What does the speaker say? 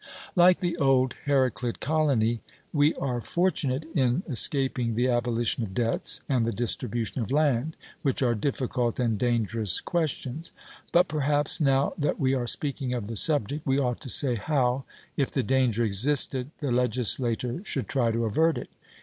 Like the old Heraclid colony, we are fortunate in escaping the abolition of debts and the distribution of land, which are difficult and dangerous questions. But, perhaps, now that we are speaking of the subject, we ought to say how, if the danger existed, the legislator should try to avert it.